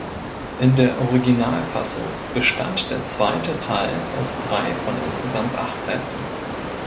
In der Originalfassung bestand der zweite Teil aus drei von insgesamt acht Sätzen.